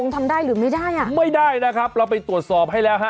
ทำได้หรือไม่ได้อ่ะไม่ได้นะครับเราไปตรวจสอบให้แล้วฮะ